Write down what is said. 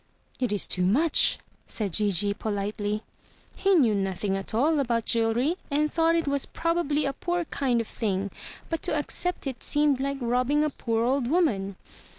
"It is too much," said Gigi politely. He knew nothing at all about jewelry and thought it was probably a poor kind of thing; but to accept it seemed like robbing a poor old woman.